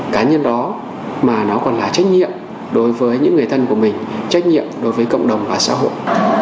cá nhân đó mà nó còn là trách nhiệm đối với những người thân của mình trách nhiệm đối với cộng đồng và xã hội